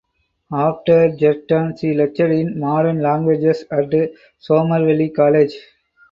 After Girton she lectured in modern languages at Somerville College.